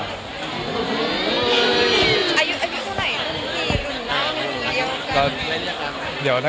คุณค่ะ